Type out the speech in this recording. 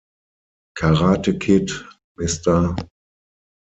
Karate Kid, Mr.